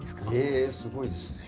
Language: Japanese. えすごいですね。